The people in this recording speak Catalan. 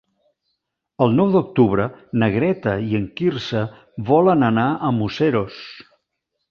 El nou d'octubre na Greta i en Quirze volen anar a Museros.